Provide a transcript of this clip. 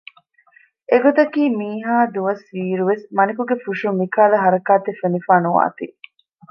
އެ ގޮތަކީ މިހައި ދުވަސް ވީއިރު ވެސް މަނިކުގެ ފުށުން މިކަހަލަ ހަރަކާތެއް ފެނިފައި ނުވާތީ